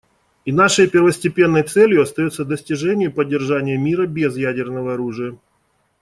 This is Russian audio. И нашей первостепенной целью остается достижение и поддержание мира без ядерного оружия.